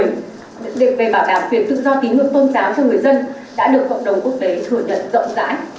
việc về bảo đảm quyền tự do tín ngưỡng tôn giáo cho người dân đã được cộng đồng quốc tế thừa nhận rộng rãi